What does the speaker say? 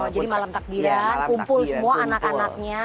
jadi malam takbiran kumpul semua anak anaknya